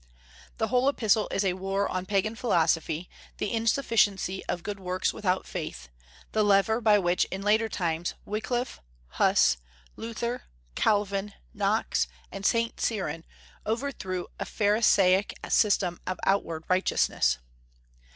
The whole epistle is a war on pagan philosophy, the insufficiency of good works without faith, the lever by which in later times Wyclif, Huss, Luther, Calvin, Knox, and Saint Cyran overthrew a pharisaic system of outward righteousness.